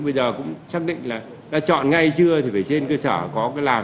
bây giờ cũng chắc định là đã chọn ngay chưa thì phải chọn